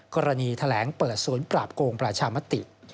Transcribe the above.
กรณีแถลงเปิดศูนย์ปราบโกงประชามติ